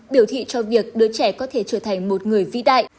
biểu thị cho việc đứa trẻ có thể trở thành một người vĩ đại